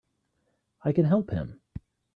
I can help him!